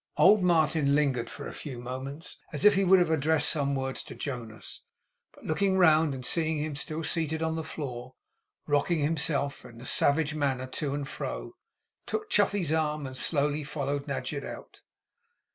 Old Martin lingered for a few moments, as if he would have addressed some words to Jonas; but looking round, and seeing him still seated on the floor, rocking himself in a savage manner to and fro, took Chuffey's arm, and slowly followed Nadgett out.